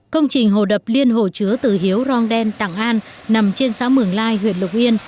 công trình hồ đập liên hồ chứa từ hiếu rong đen tặng an nằm trên xã mường lai huyện lục yên